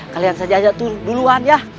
kalian saja duluan ya